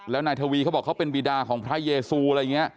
แล้วนายทวีเขาบอกเขาเป็นบีดาของพระเยซูอะไรอย่างนี้